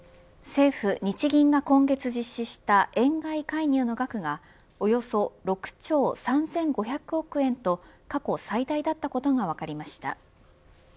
政府、日銀が今月実施した円買い介入の額がおよそ６兆３５００億円と過去最大だったことが分かりました。